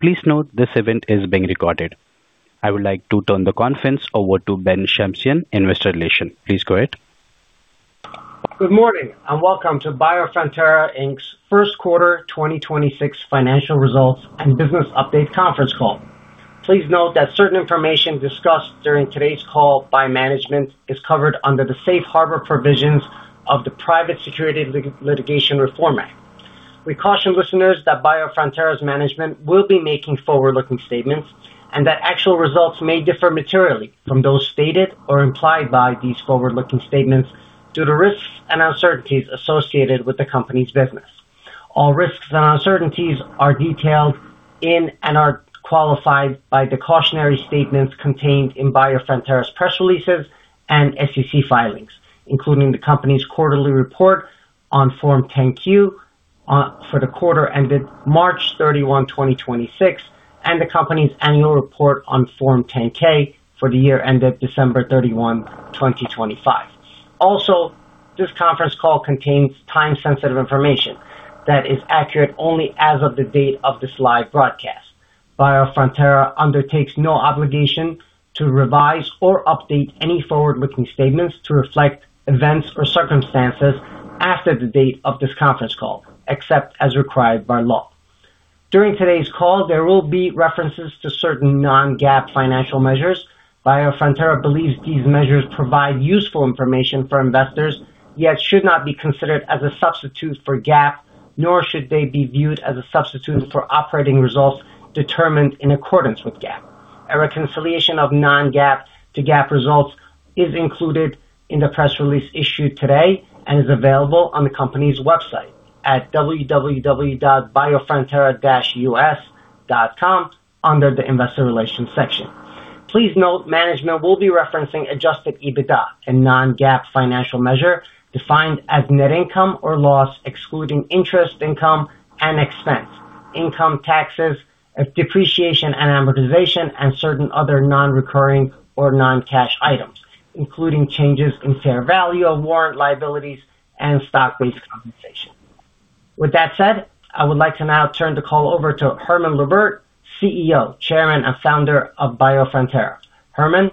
Please note this event is being recorded. I would like to turn the conference over to Ben Shamsian, Investor Relations. Please go ahead. Good morning, and welcome to Biofrontera Inc.'s first quarter 2026 financial results and business update conference call. Please note that certain information discussed during today's call by management is covered under the safe harbor provisions of the Private Securities Litigation Reform Act. We caution listeners that Biofrontera's management will be making forward-looking statements and that actual results may differ materially from those stated or implied by these forward-looking statements due to risks and uncertainties associated with the company's business. All risks and uncertainties are detailed in and are qualified by the cautionary statements contained in Biofrontera's press releases and SEC filings, including the company's quarterly report on Form 10-Q for the quarter ended March 31, 2026, and the company's annual report on Form 10-K for the year ended December 31, 2025. This conference call contains time-sensitive information that is accurate only as of the date of this live broadcast. Biofrontera undertakes no obligation to revise or update any forward-looking statements to reflect events or circumstances after the date of this conference call, except as required by law. During today's call, there will be references to certain non-GAAP financial measures. Biofrontera believes these measures provide useful information for investors, yet should not be considered as a substitute for GAAP, nor should they be viewed as a substitute for operating results determined in accordance with GAAP. A reconciliation of non-GAAP to GAAP results is included in the press release issued today and is available on the company's website at www.biofrontera-us.com under the Investor Relations section. Please note management will be referencing adjusted EBITDA, a non-GAAP financial measure defined as net income or loss excluding interest income and expense, income taxes, depreciation and amortization, and certain other non-recurring or non-cash items, including changes in fair value of warrant liabilities and stock-based compensation. With that said, I would like to now turn the call over to Hermann Luebbert, CEO, Chairman, and founder of Biofrontera. Hermann.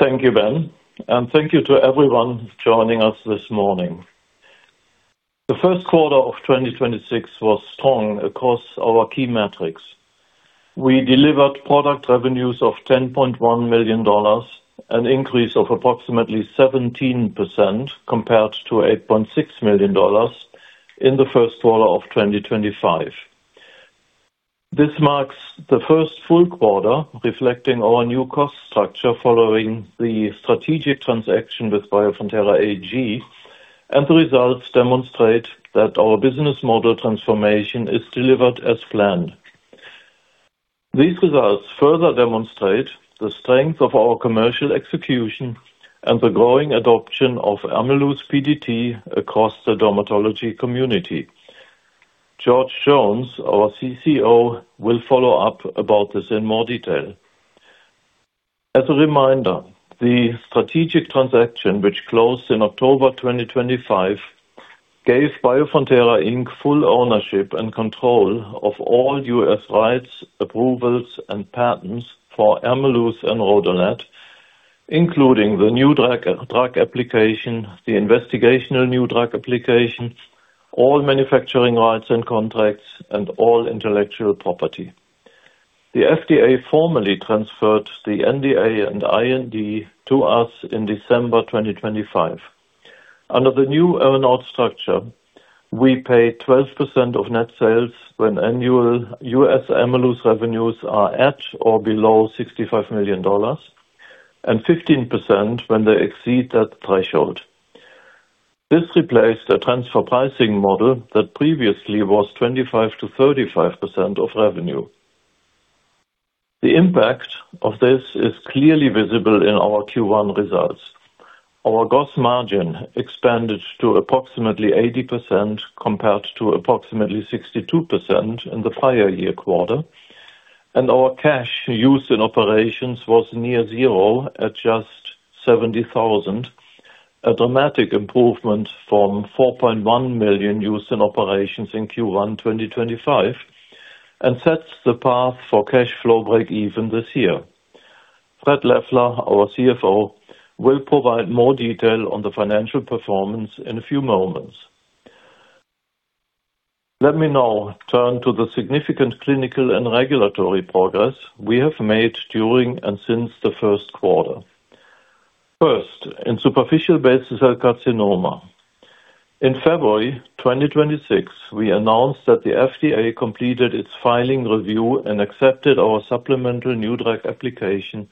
Thank you, Ben. Thank you to everyone joining us this morning. The first quarter of 2026 was strong across our key metrics. We delivered product revenues of $10.1 million, an increase of approximately 17% compared to $8.6 million in the first quarter of 2025. This marks the first full quarter reflecting our new cost structure following the strategic transaction with Biofrontera AG. The results demonstrate that our business model transformation is delivered as planned. These results further demonstrate the strength of our commercial execution and the growing adoption of Ameluz PDT across the dermatology community. George Jones, our CCO, will follow up about this in more detail. As a reminder, the strategic transaction, which closed in October 2025, gave Biofrontera Inc full ownership and control of all U.S. rights, approvals, and patents for Ameluz and RhodoLED, including the New Drug Application, the Investigational New Drug Application, all manufacturing rights and contracts, and all intellectual property. The FDA formally transferred the NDA and IND to us in December 2025. Under the new earnout structure, we pay 12% of net sales when annual U.S. Ameluz revenues are at or below $65 million and 15% when they exceed that threshold. This replaced a transfer pricing model that previously was 25%-35% of revenue. The impact of this is clearly visible in our Q1 results. Our gross margin expanded to approximately 80% compared to approximately 62% in the prior year quarter. Our cash used in operations was near zero at just $70,000, a dramatic improvement from $4.1 million used in operations in Q1 2025 and sets the path for cash flow break-even this year. Fred Leffler, our CFO, will provide more detail on the financial performance in a few moments. Let me now turn to the significant clinical and regulatory progress we have made during and since the first quarter. First, in superficial basal cell carcinoma. In February 2026, we announced that the FDA completed its filing review and accepted our supplemental New Drug Application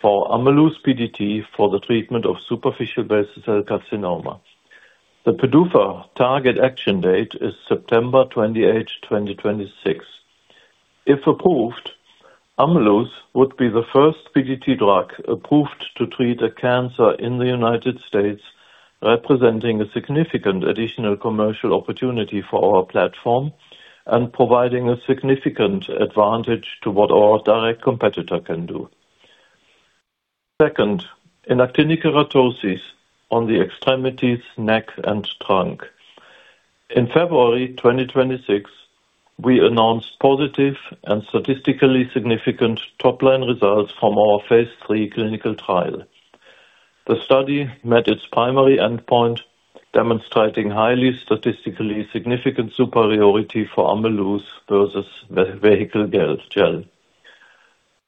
for Ameluz PDT for the treatment of superficial basal cell carcinoma. The PDUFA target action date is September 28, 2026. If approved, Ameluz would be the first PDT drug approved to treat a cancer in the U.S., representing a significant additional commercial opportunity for our platform and providing a significant advantage to what our direct competitor can do. Second, in actinic keratosis on the extremities, neck, and trunk. In February 2026, we announced positive and statistically significant top-line results from our phase III clinical trial. The study met its primary endpoint, demonstrating highly statistically significant superiority for Ameluz versus vehicle gel.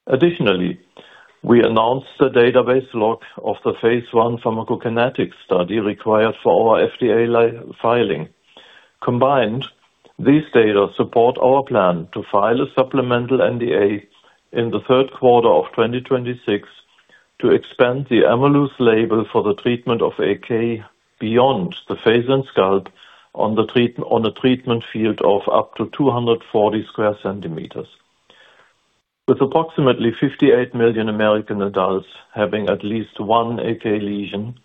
Additionally, we announced the database lock of the phase I pharmacokinetics study required for our FDA filing. Combined, these data support our plan to file a supplemental NDA in the third quarter of 2026 to expand the Ameluz label for the treatment of AK beyond the face and scalp on a treatment field of up to 240 sq cm. With approximately 58 million American adults having at least one AK lesion,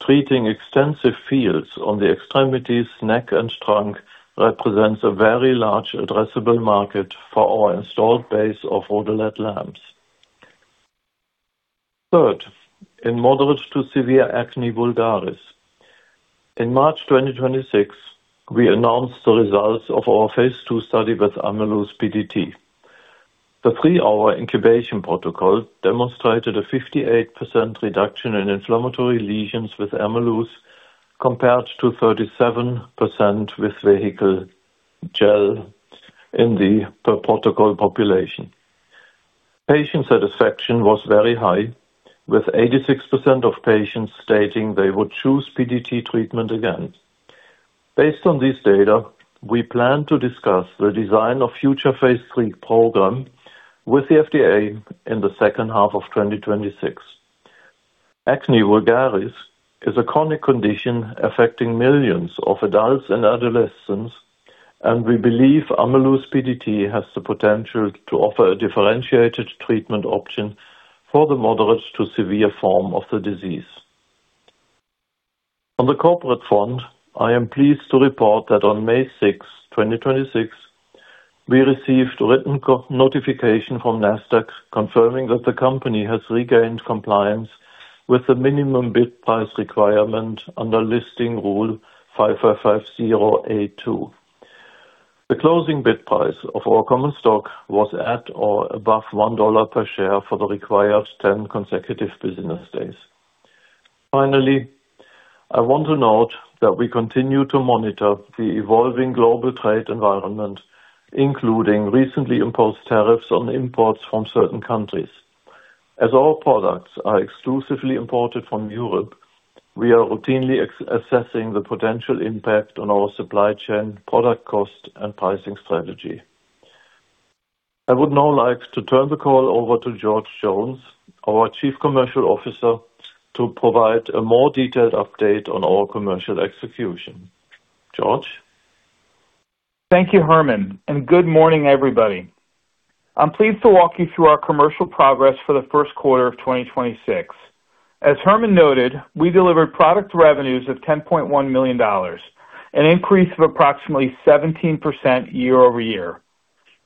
treating extensive fields on the extremities, neck, and trunk represents a very large addressable market for our installed base of RhodoLED lamps. Third, in moderate to severe acne vulgaris. In March 2026, we announced the results of our Phase II study with Ameluz PDT. The three-hour incubation protocol demonstrated a 58% reduction in inflammatory lesions with Ameluz compared to 37% with vehicle gel in the per-protocol population. Patient satisfaction was very high, with 86% of patients stating they would choose PDT treatment again. Based on this data, we plan to discuss the design of future Phase III program with the FDA in the second half of 2026. Acne vulgaris is a chronic condition affecting millions of adults and adolescents, and we believe Ameluz PDT has the potential to offer a differentiated treatment option for the moderate to severe form of the disease. On the corporate front, I am pleased to report that on May 6, 2026, we received written notification from Nasdaq confirming that the company has regained compliance with the minimum bid price requirement under Listing Rule 5550(a)(2). The closing bid price of our common stock was at or above $1 per share for the required 10 consecutive business days. Finally, I want to note that we continue to monitor the evolving global trade environment, including recently imposed tariffs on imports from certain countries. As all products are exclusively imported from Europe, we are routinely assessing the potential impact on our supply chain, product cost, and pricing strategy. I would now like to turn the call over to George Jones, our Chief Commercial Officer, to provide a more detailed update on our commercial execution. George? Thank you, Hermann, and good morning, everybody. I'm pleased to walk you through our commercial progress for the first quarter of 2026. As Hermann noted, we delivered product revenues of $10.1 million, an increase of approximately 17% year-over-year.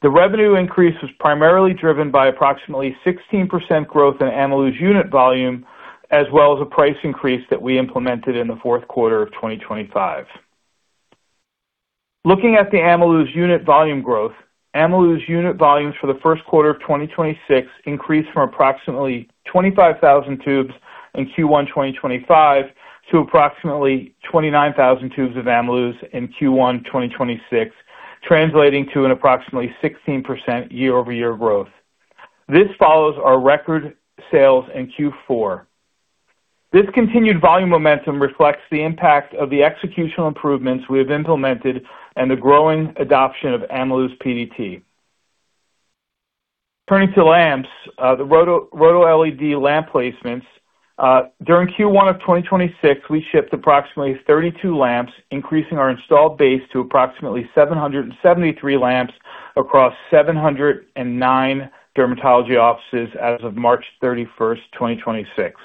The revenue increase was primarily driven by approximately 16% growth in Ameluz unit volume as well as a price increase that we implemented in the fourth quarter of 2025. Looking at the Ameluz unit volume growth, Ameluz unit volumes for the first quarter of 2026 increased from approximately 25,000 tubes in Q1 2025 to approximately 29,000 tubes of Ameluz in Q1 2026, translating to an approximately 16% year-over-year growth. This follows our record sales in Q4. This continued volume momentum reflects the impact of the executional improvements we have implemented and the growing adoption of Ameluz PDT. Turning to lamps, the RhodoLED lamp placements. During Q1 of 2026, we shipped approximately 32 lamps, increasing our installed base to approximately 773 lamps across 709 dermatology offices as of March 31st, 2026.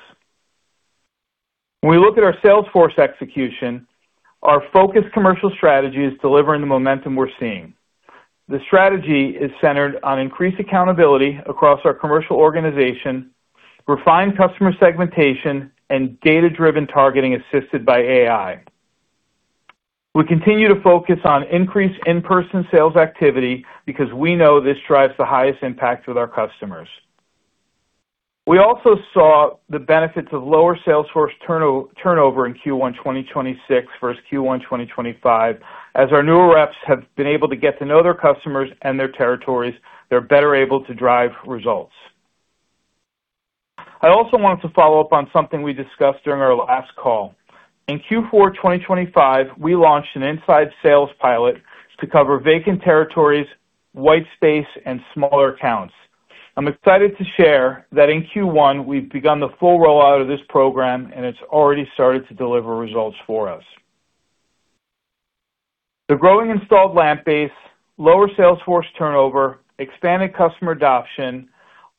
When we look at our sales force execution, our focused commercial strategy is delivering the momentum we're seeing. The strategy is centered on increased accountability across our commercial organization, refined customer segmentation, and data-driven targeting assisted by AI. We continue to focus on increased in-person sales activity because we know this drives the highest impact with our customers. We also saw the benefits of lower sales force turnover in Q1 2026 versus Q1 2025. As our newer reps have been able to get to know their customers and their territories, they're better able to drive results. I also wanted to follow up on something we discussed during our last call. In Q4 2025, we launched an inside sales pilot to cover vacant territories, white space, and smaller accounts. I'm excited to share that in Q1, we've begun the full rollout of this program, and it's already started to deliver results for us. The growing installed lamp base, lower sales force turnover, expanded customer adoption,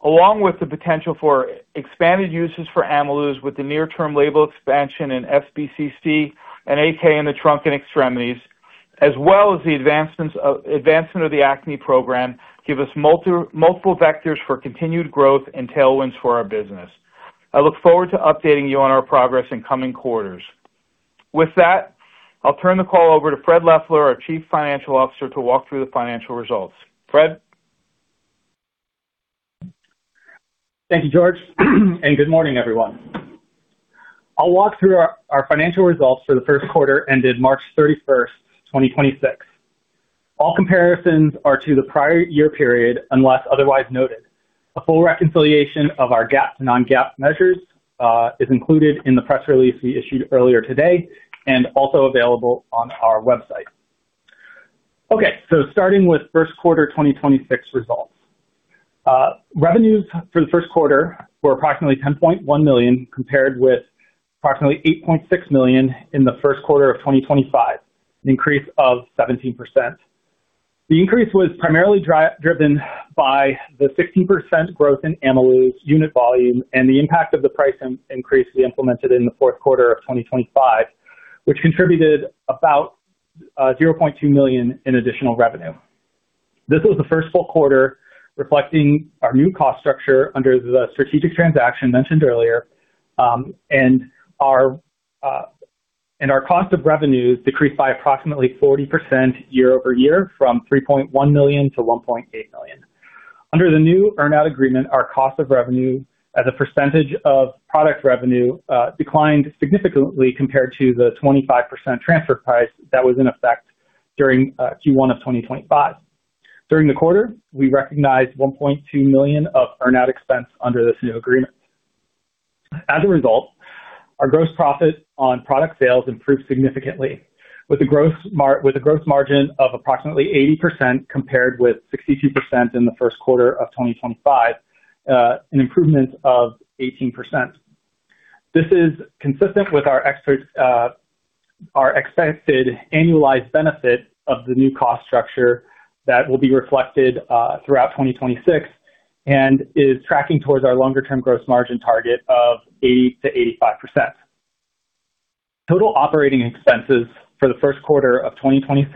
along with the potential for expanded uses for Ameluz with the near-term label expansion in SBCC and AK in the trunk and extremities. As well as the advancement of the acne program give us multiple vectors for continued growth and tailwinds for our business. I look forward to updating you on our progress in coming quarters. With that, I'll turn the call over to Fred Leffler, our Chief Financial Officer, to walk through the financial results. Fred? Thank you, George. Good morning, everyone. I'll walk through our financial results for the first quarter ended March 31st, 2026. All comparisons are to the prior year period, unless otherwise noted. A full reconciliation of our GAAP to non-GAAP measures is included in the press release we issued earlier today and also available on our website. Starting with first quarter 2026 results. Revenues for the first quarter were approximately $10.1 million, compared with approximately $8.6 million in the first quarter of 2025, an increase of 17%. The increase was primarily driven by the 16% growth in Ameluz unit volume and the impact of the price increase we implemented in the fourth quarter of 2025, which contributed about $0.2 million in additional revenue. This was the first full quarter reflecting our new cost structure under the strategic transaction mentioned earlier, and our cost of revenues decreased by approximately 40% year-over-year from $3.1 million to $1.8 million. Under the new earn-out agreement, our cost of revenue as a percentage of product revenue declined significantly compared to the 25% transfer price that was in effect during Q1 of 2025. During the quarter, we recognized $1.2 million of earn-out expense under this new agreement. As a result, our gross profit on product sales improved significantly with a gross margin of approximately 80% compared with 62% in the first quarter of 2025, an improvement of 18%. This is consistent with our expected annualized benefit of the new cost structure that will be reflected throughout 2026 and is tracking towards our longer term gross margin target of 80%-85%. Total operating expenses for the first quarter of 2026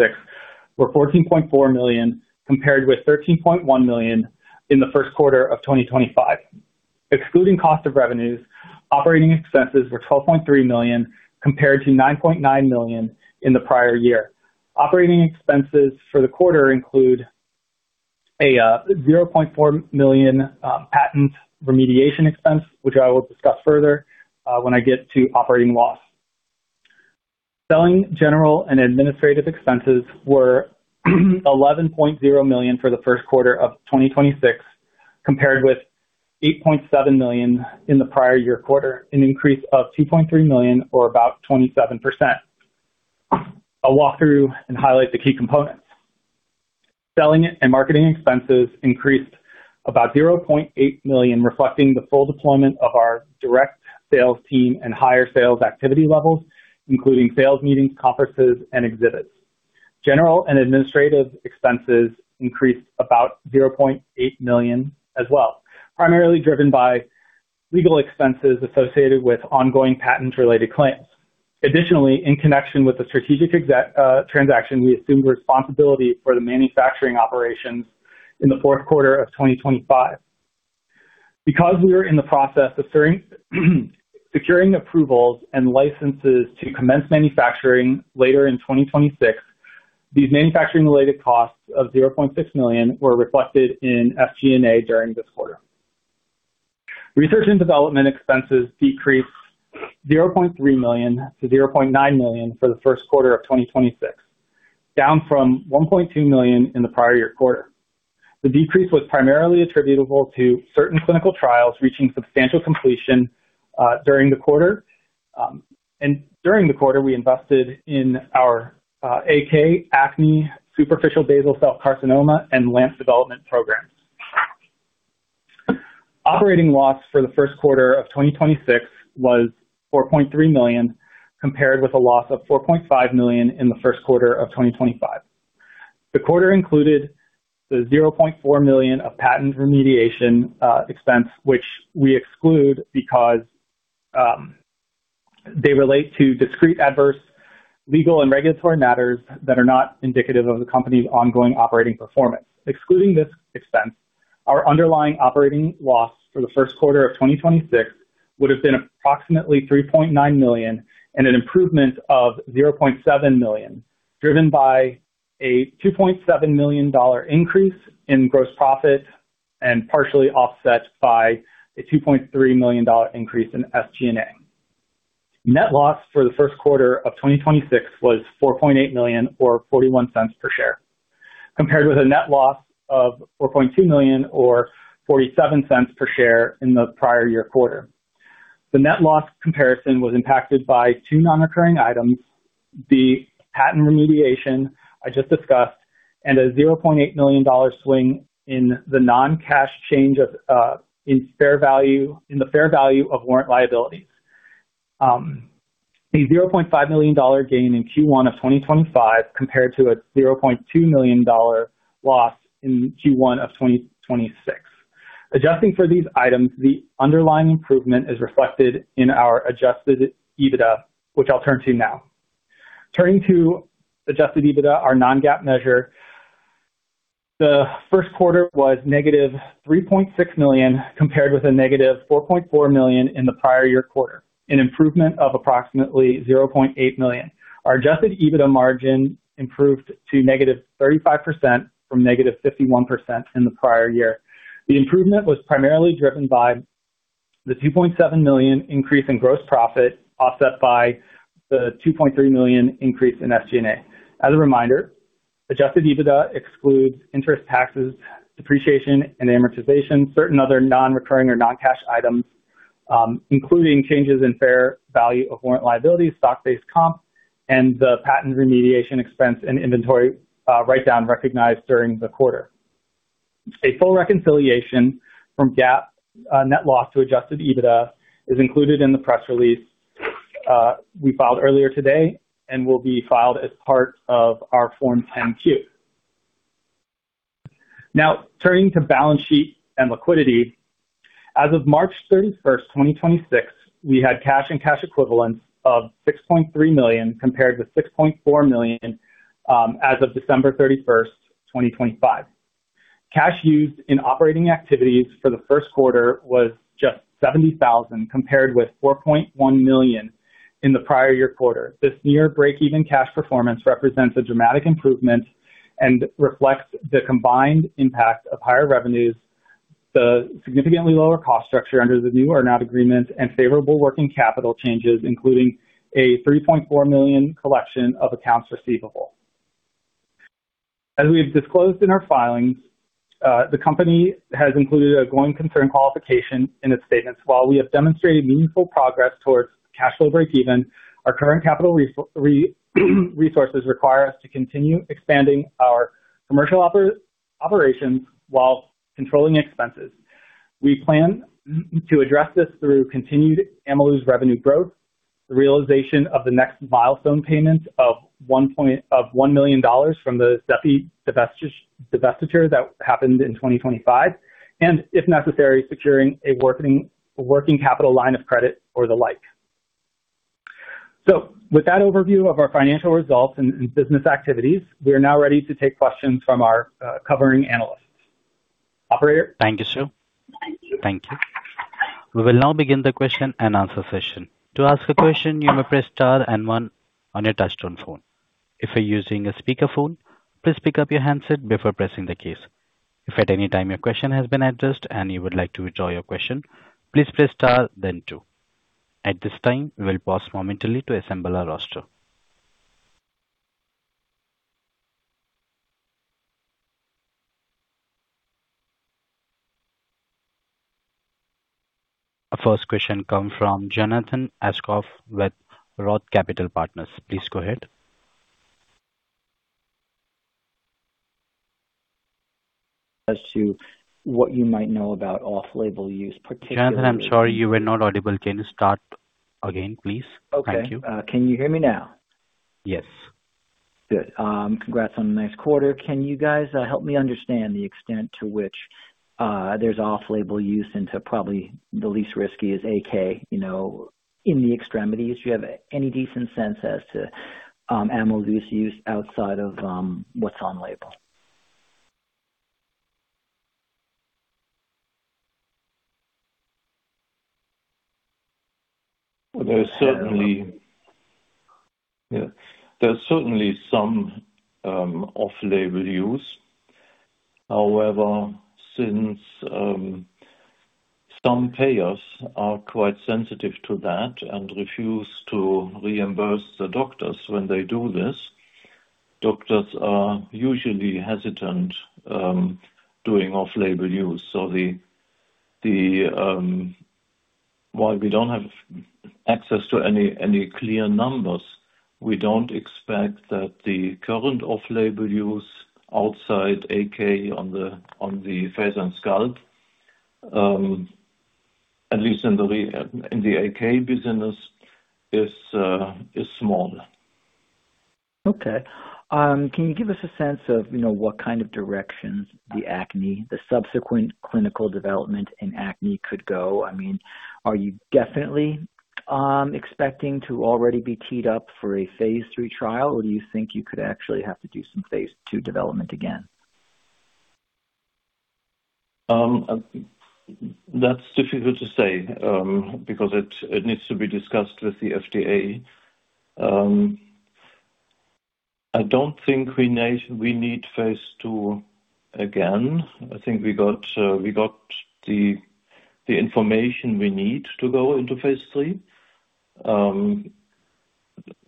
were $14.4 million compared with $13.1 million in the first quarter of 2025. Excluding cost of revenues, operating expenses were $12.3 million compared to $9.9 million in the prior year. Operating expenses for the quarter include a $0.4 million patent remediation expense, which I will discuss further when I get to operating loss. Selling general and administrative expenses were $11.0 million for the first quarter of 2026, compared with $8.7 million in the prior year quarter, an increase of $2.3 million or about 27%. I'll walk through and highlight the key components. Selling and marketing expenses increased about $0.8 million, reflecting the full deployment of our direct sales team and higher sales activity levels, including sales meetings, conferences, and exhibits. General and administrative expenses increased about $0.8 million as well, primarily driven by legal expenses associated with ongoing patent-related claims. Additionally, in connection with the strategic transaction, we assumed responsibility for the manufacturing operations in the fourth quarter of 2025. Because we are in the process of securing approvals and licenses to commence manufacturing later in 2026, these manufacturing-related costs of $0.6 million were reflected in SG&A during this quarter. Research and development expenses decreased $0.3 million to $0.9 million for the first quarter of 2026, down from $1.2 million in the prior year quarter. The decrease was primarily attributable to certain clinical trials reaching substantial completion during the quarter. During the quarter, we invested in our AK, acne, superficial basal cell carcinoma, and lamp development programs. Operating loss for the first quarter of 2026 was $4.3 million, compared with a loss of $4.5 million in the first quarter of 2025. The quarter included the $0.4 million of patent remediation expense, which we exclude because they relate to discrete adverse legal and regulatory matters that are not indicative of the company's ongoing operating performance. Excluding this expense, our underlying operating loss for the first quarter of 2026 would have been approximately $3.9 million and an improvement of $0.7 million, driven by a $2.7 million increase in gross profit and partially offset by a $2.3 million increase in SG&A. Net loss for the first quarter of 2026 was $4.8 million or $0.41 per share, compared with a net loss of $4.2 million or $0.47 per share in the prior year quarter. The net loss comparison was impacted by two non-recurring items, the patent remediation I just discussed and a $0.8 million swing in the non-cash change in the fair value of warrant liabilities. A $0.5 million gain in Q1 of 2025 compared to a $0.2 million loss in Q1 of 2026. Adjusting for these items, the underlying improvement is reflected in our adjusted EBITDA, which I'll turn to now. Turning to adjusted EBITDA, our non-GAAP measure, the first quarter was -$3.6 million compared with -$4.4 million in the prior year quarter, an improvement of approximately $0.8 million. Our adjusted EBITDA margin improved to -35% from -51% in the prior year. The improvement was primarily driven by the $2.7 million increase in gross profit, offset by the $2.3 million increase in SG&A. As a reminder, adjusted EBITDA excludes interest, taxes, depreciation and amortization, certain other non-recurring or non-cash items, including changes in fair value of warrant liabilities, stock-based comp, and the patent remediation expense and inventory write-down recognized during the quarter. A full reconciliation from GAAP net loss to adjusted EBITDA is included in the press release we filed earlier today and will be filed as part of our Form 10-Q. Turning to balance sheet and liquidity. As of March 31st, 2026, we had cash and cash equivalents of $6.3 million, compared with $6.4 million as of December 31st, 2025. Cash used in operating activities for the first quarter was just $70,000, compared with $4.1 million in the prior year quarter. This near breakeven cash performance represents a dramatic improvement and reflects the combined impact of higher revenues, the significantly lower cost structure under the new [RhodoLED] agreement, and favorable working capital changes, including a $3.4 million collection of accounts receivable. As we have disclosed in our filings, the company has included a going concern qualification in its statements. While we have demonstrated meaningful progress towards cash flow breakeven, our current capital resources require us to continue expanding our commercial operations while controlling expenses. We plan to address this through continued Ameluz revenue growth, realization of the next milestone payment of $1 million from the XEPI divestiture that happened in 2025, and if necessary, securing a working capital line of credit or the like. With that overview of our financial results and business activities, we are now ready to take questions from our covering analysts. Operator. Thank you, sir. Thank you. We will now begin the question and answer session. To ask a question, you may press star and 1 on your touchtone phone. If you're using a speakerphone, please pick up your handset before pressing the keys. If at any time your question has been addressed and you would like to withdraw your question, please press star then 2. At this time, we will pause momentarily to assemble our roster. Our first question come from Jonathan Aschoff with ROTH Capital Partners. Please go ahead. As to what you might know about off-label use, particularly. Jonathan, I'm sorry, you were not audible. Can you start again, please? Thank you. Okay. Can you hear me now? Yes. Good. Congrats on a nice quarter. Can you guys help me understand the extent to which there's off-label use into probably the least risky is AK, you know, in the extremities? Do you have any decent sense as to Ameluz's use outside of what's on label? There's certainly some off-label use. However, since some payers are quite sensitive to that and refuse to reimburse the doctors when they do this, doctors are usually hesitant doing off-label use. While we don't have access to any clear numbers, we don't expect that the current off-label use outside AK on the face and scalp, at least in the AK business is small. Okay. Can you give us a sense of, you know, what kind of directions the acne, the subsequent clinical development in acne could go? I mean, are you definitely, expecting to already be teed up for a Phase III trial, or do you think you could actually have to do some Phase II development again? That's difficult to say, because it needs to be discussed with the FDA. I don't think we need Phase II again. I think we got the information we need to go into Phase III.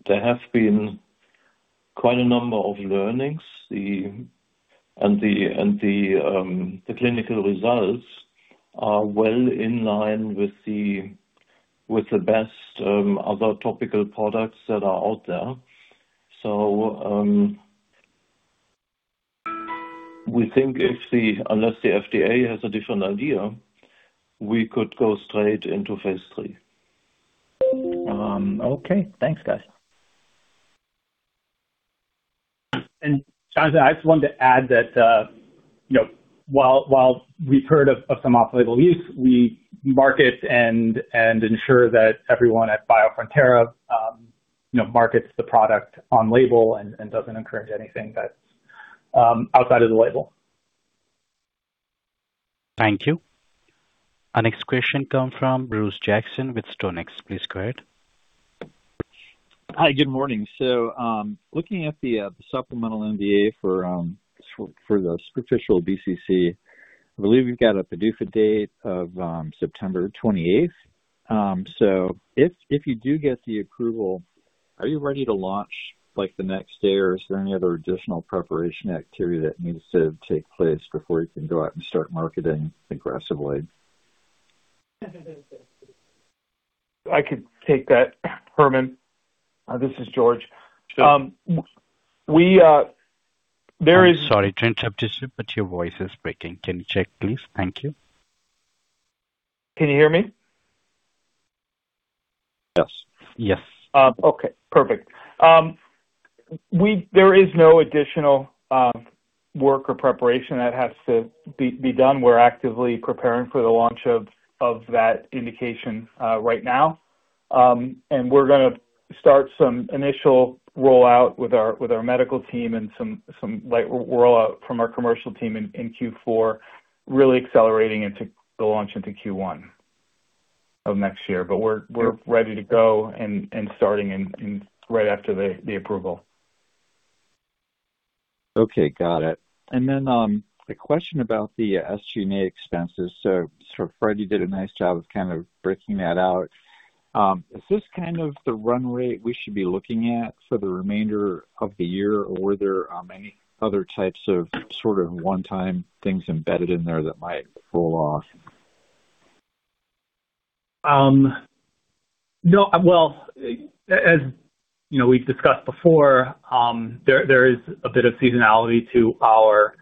There have been quite a number of learnings. The clinical results are well in line with the best other topical products that are out there. We think unless the FDA has a different idea, we could go straight into Phase III. Okay. Thanks, guys. Jonathan, I just wanted to add that, you know, while we've heard of some off-label use, we market and ensure that everyone at Biofrontera, you know, markets the product on label and doesn't encourage anything that's outside of the label. Thank you. Our next question come from Bruce Jackson with StoneX. Please go ahead. Hi, good morning. Looking at the supplemental NDA for the superficial BCC, I believe you've got a PDUFA date of September 28th. If you do get the approval, are you ready to launch like the next day or is there any other additional preparation activity that needs to take place before you can go out and start marketing aggressively? I could take that, Hermann. This is George. I'm sorry to interrupt you, sir. Your voice is breaking. Can you check, please? Thank you. Can you hear me? Yes. Yes. Okay, perfect. There is no additional work or preparation that has to be done. We're actively preparing for the launch of that indication right now. We're gonna start some initial rollout with our medical team and some light rollout from our commercial team in Q4, really accelerating into the launch into Q1 of next year. We're ready to go and starting right after the approval. Okay, got it. A question about the SGA expenses. Freddy did a nice job of kind of breaking that out. Is this kind of the run rate we should be looking at for the remainder of the year or were there any other types of sort of one-time things embedded in there that might roll off? No. Well, as, you know, we've discussed before, there is a bit of seasonality to our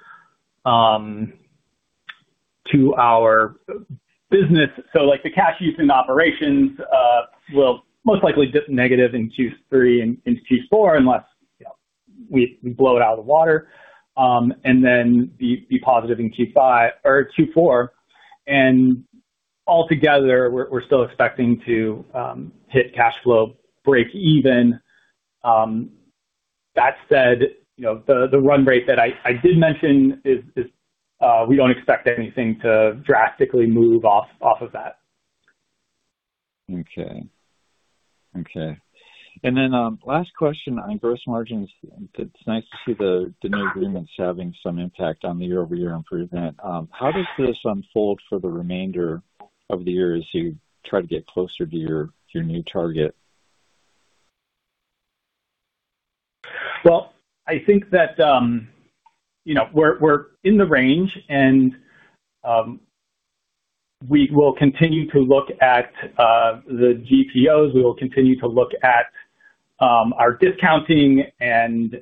business. Like the cash use in operations will most likely dip negative in Q3 and into Q4 unless, you know, we blow it out of the water, and then be positive in Q5 or Q4. Altogether we're still expecting to hit cash flow breakeven. That said, you know, the run rate that I did mention is we don't expect anything to drastically move off of that. Okay. Okay. Last question on gross margins. It's nice to see the new agreements having some impact on the year-over-year improvement. How does this unfold for the remainder of the year as you try to get closer to your new target? Well, I think that, you know, we're in the range and we will continue to look at the GPOs. We will continue to look at our discounting and,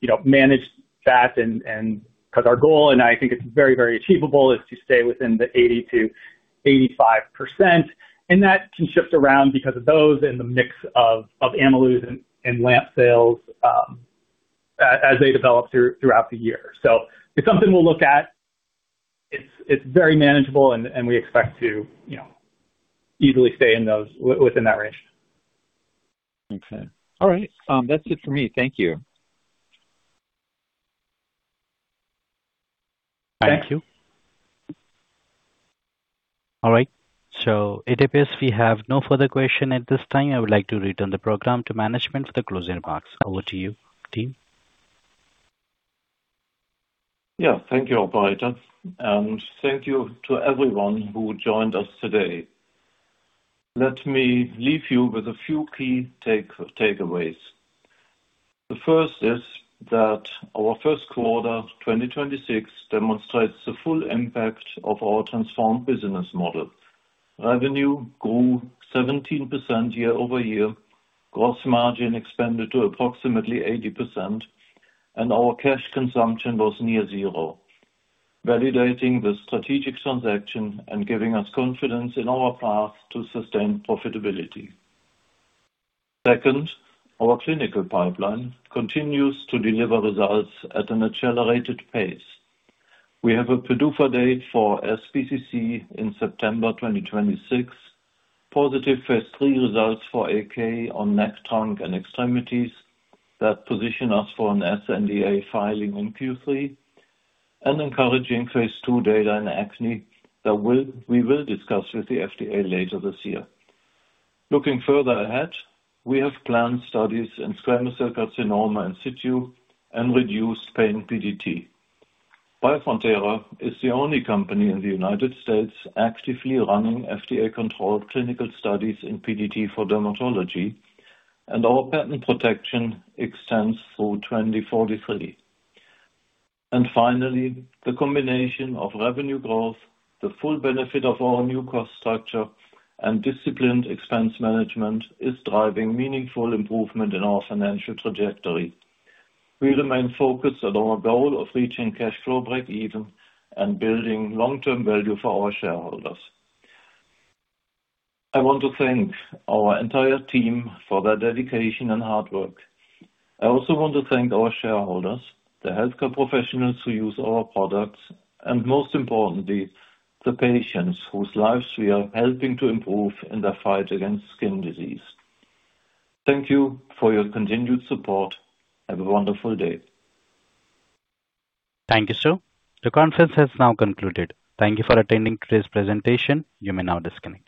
you know, manage that and 'cause our goal, and I think it's very achievable, is to stay within the 80%-85%. That can shift around because of those and the mix of Ameluz and RhodoLED sales as they develop throughout the year. It's something we'll look at. It's very manageable and we expect to, you know, easily stay in those, within that range. Okay. All right, that's it for me. Thank you. Thank you. All right. It appears we have no further question at this time. I would like to return the program to management for the closing remarks. Over to you, team. Thank you, Abhay. Thank you to everyone who joined us today. Let me leave you with a few key takeaways. The first is that our Q1 2026 demonstrates the full impact of our transformed business model. Revenue grew 17% year-over-year, gross margin expanded to approximately 80%, our cash consumption was near zero, validating the strategic transaction and giving us confidence in our path to sustain profitability. Second, our clinical pipeline continues to deliver results at an accelerated pace. We have a PDUFA date for SBCC in September 2026, positive Phase III results for AK on neck, trunk, and extremities that position us for an sNDA filing in Q3, encouraging Phase II data in acne that we will discuss with the FDA later this year. Looking further ahead, we have planned studies in squamous cell carcinoma in situ and reduced pain PDT. Biofrontera is the only company in the U.S. actively running FDA-controlled clinical studies in PDT for dermatology, and our patent protection extends through 2043. Finally, the combination of revenue growth, the full benefit of our new cost structure, and disciplined expense management is driving meaningful improvement in our financial trajectory. We remain focused on our goal of reaching cash flow breakeven and building long-term value for our shareholders. I want to thank our entire team for their dedication and hard work. I also want to thank our shareholders, the healthcare professionals who use our products, and most importantly, the patients whose lives we are helping to improve in their fight against skin disease. Thank you for your continued support. Have a wonderful day. Thank you, sir. The conference has now concluded. Thank you for attending today's presentation. You may now disconnect.